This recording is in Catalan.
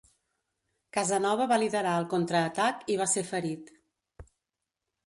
Casanova va liderar el contraatac i va ser ferit.